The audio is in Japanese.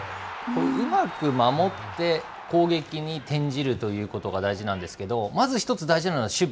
うまく守って攻撃に転じるということが大事なんですけど、まず１つ大事なのは守備。